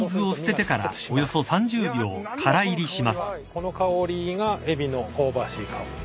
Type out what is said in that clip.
この香りがエビの香ばしい香り。